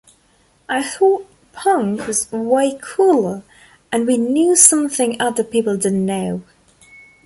I thought punk was way cooler and we knew something other people didn't know.